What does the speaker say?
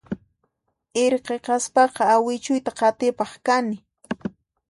Irqi kaspaqa awichuyta qatipaq kani